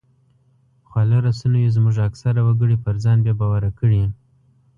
خواله رسنیو زموږ اکثره وګړي پر ځان بې باوره کړي